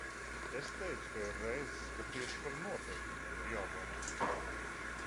Es teicu, ka ir reizes, kad tieši par noteikumiem ir jādomā.